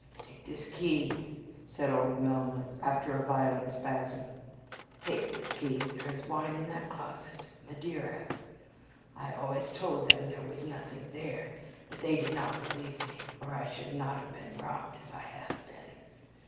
"Take this key," said old Melmoth, after a violent spasm; "take this key, there is wine in that closet, Madeira. I always told them there was nothing there, but they did not believe me, or I should not have been robbed as I have been.